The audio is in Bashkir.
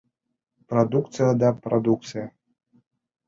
Продукция ла продукция!